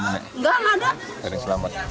tidak ada yang bisa diselamatkan